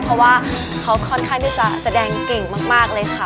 เพราะว่าเขาค่อนข้างที่จะแสดงเก่งมากเลยค่ะ